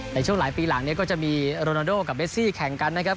ในช่วงหลายปีหลังเนี่ยก็จะมีโรนาโดกับเบสซี่แข่งกันนะครับ